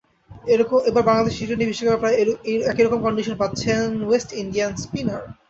এবার বাংলাদেশে টি-টোয়েন্টি বিশ্বকাপে প্রায় একই রকম কন্ডিশন পাচ্ছেন ওয়েস্ট ইন্ডিয়ান স্পিনার।